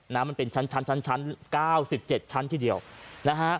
มันเป็นชั้นชั้นเก้าสิบเจ็ดชั้นทีเดียวนะฮะ